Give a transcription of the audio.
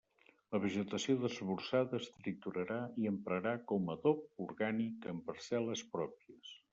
La vegetació desbrossada es triturarà i emprarà com adob orgànic en parcel·les pròpies.